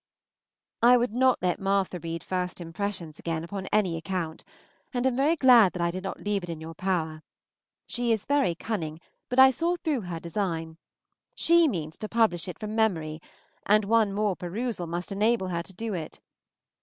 I would not let Martha read "First Impressions" again upon any account, and am very glad that I did not leave it in your power. She is very cunning, but I saw through her design; she means to publish it from memory, and one more perusal must enable her to do it.